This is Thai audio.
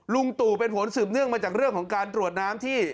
ลุงตู่เป็นผลสืบเนื่องมาจากเรื่องของการตรวจน้ำที่